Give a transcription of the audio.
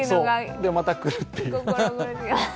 でも、また来るっていう。